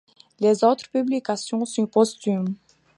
Les autres publications sont posthumes.